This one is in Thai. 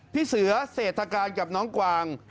พี่เสือเศรษฐการกับน้องกวาง